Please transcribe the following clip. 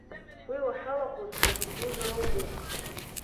Уи уахьалахәыз уазыгәдузароупеи!